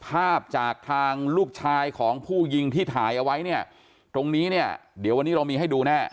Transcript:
ภาพจากทางลูกชายของผู้ยิงที่ถ่ายเอาไว้เนี่ยตรงนี้เนี่ยเดี๋ยววันนี้เรามีให้ดูแน่